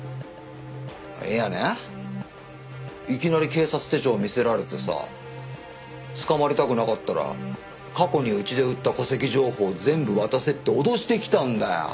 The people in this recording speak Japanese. いやねいきなり警察手帳見せられてさ捕まりたくなかったら過去にうちで売った戸籍情報を全部渡せって脅してきたんだよ。